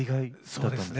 そうですね。